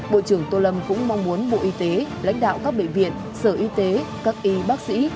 bộ trưởng tô lâm cũng mong muốn bộ y tế lãnh đạo các bệnh viện sở y tế các y bác sĩ